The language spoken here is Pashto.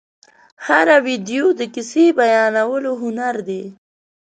هره ویډیو د کیسې بیانولو هنر دی.